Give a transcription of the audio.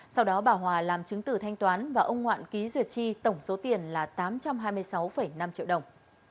sau đó bà hòa làm chứng tử thanh toán và ông ngoạn ký duyệt chi tổng số tiền là tám trăm hai mươi sáu năm triệu đồng